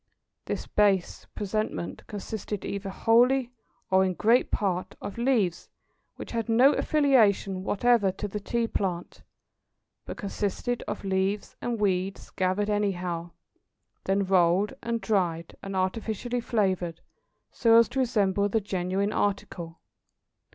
This "base presentment" consisted either wholly, or in great part, of leaves which had no affiliation whatever to the Tea plant, but consisted of leaves and weeds gathered anyhow, then rolled and dried, and artificially flavoured so as to resemble the genuine article.